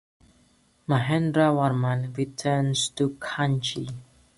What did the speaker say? Mahendravarman returns to Kanchi.